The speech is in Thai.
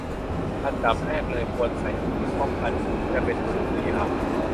อันดับแรกเลยควรใส่ถุงมือป้องกัน จะเป็นถุงมือยาง